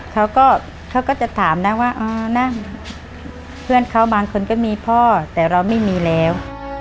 เขาก็จะถามนะว่าเพื่อนเขาบางคนก็มีพ่อแต่เราไม่มีแล้ว